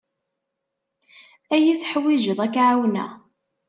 Ad iyi-teḥwijed ad k-ɛawneɣ.